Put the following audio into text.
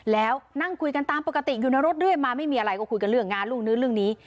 แล้วนั่งคุยกันตามปกติอยู่ในรถเรื่อยมาไม่มีอะไรก็คุยกันเรื่องงานเรื่องนู้นเรื่องนี้